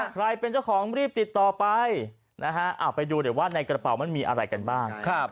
ใครเป็นเจ้าของรีบติดต่อไปนะฮะไปดูหน่อยว่าในกระเป๋ามันมีอะไรกันบ้าง